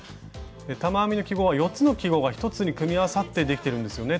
玉編みの記号は４つの記号が１つに組み合わさってできてるんですよね